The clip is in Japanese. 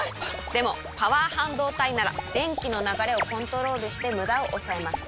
でもパワー半導体なら電気の流れをコントロールしてムダを抑えます。